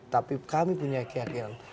tapi kami punya keyakinan